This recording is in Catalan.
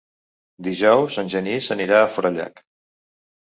Dijous en Genís anirà a Forallac.